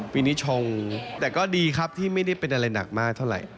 ปีนี้ชงแต่ก็ดีครับที่ไม่ได้เป็นอะไรหนักมากเท่าไหร่